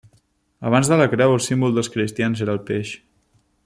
Abans de la creu el símbol dels cristians era el peix.